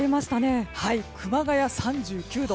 熊谷、３９度。